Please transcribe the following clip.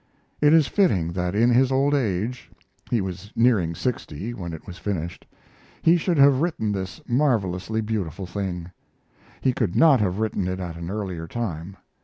It is fitting that in his old age (he was nearing sixty when it was finished) he should have written this marvelously beautiful thing. He could not have written it at an earlier time.